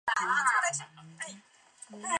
担任武警黑龙江总队队长。